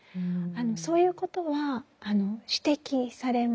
そういうことは指摘されます。